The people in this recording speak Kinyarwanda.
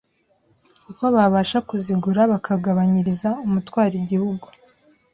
kuko babasha kuzigurira bakagabanyiriza umutwaro igihugu.